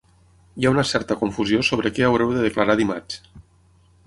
Hi ha una certa confusió sobre què haureu de declarar dimarts.